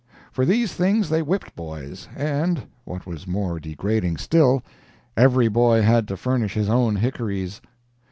For these things they whipped boys, and, what was more degrading still, every boy had to furnish his own hickories.